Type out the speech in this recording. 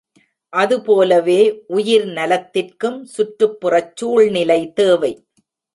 அதுபோலவே உயிர் நலத்திற்கும் சுற்றுப்புறச் சூழ்நிலை தேவை.